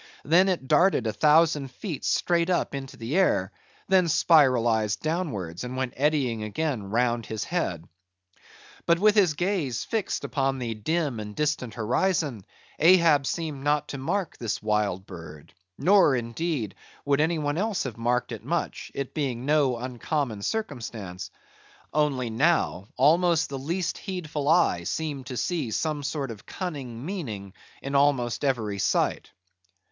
Then it darted a thousand feet straight up into the air; then spiralized downwards, and went eddying again round his head. But with his gaze fixed upon the dim and distant horizon, Ahab seemed not to mark this wild bird; nor, indeed, would any one else have marked it much, it being no uncommon circumstance; only now almost the least heedful eye seemed to see some sort of cunning meaning in almost every sight.